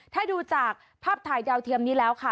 ถ้าดูจากภาพถ่ายดาวเทียมนี้แล้วค่ะ